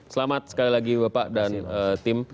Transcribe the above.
selamat sekali lagi bapak dan tim